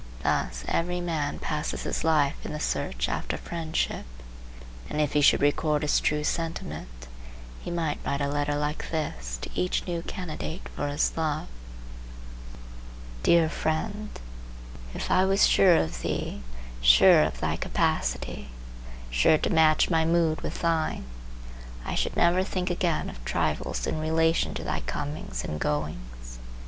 Thus every man passes his life in the search after friendship, and if he should record his true sentiment, he might write a letter like this to each new candidate for his love:— DEAR FRIEND, If I was sure of thee, sure of thy capacity, sure to match my mood with thine, I should never think again of trifles in relation to thy comings and goings.